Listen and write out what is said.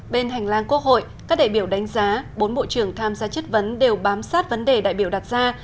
bên hành lang quốc hội các đại biểu đánh giá bốn bộ trưởng tham gia chất vấn đều bám sát vấn đề đại biểu đặt ra